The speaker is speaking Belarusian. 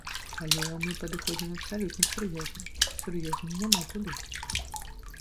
Але мы падыходзім абсалютна сур'ёзна, сур'ёзней няма куды.